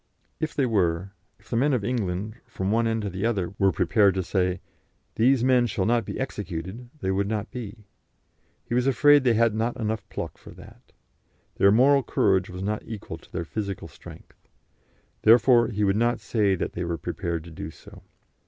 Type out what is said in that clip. If they were, if the men of England, from one end to the other, were prepared to say, 'These men shall not be executed,' they would not be. He was afraid they had not pluck enough for that. Their moral courage was not equal to their physical strength. Therefore he would not say that they were prepared to do so.